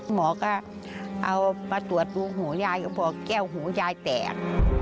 หมอก็เอามาตรวจดูหูยายก็บอกแก้วหูยายแตก